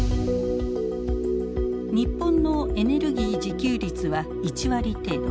日本のエネルギー自給率は１割程度。